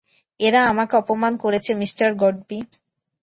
এরা আমাকে অপমান করেছে মিঃ গডবি।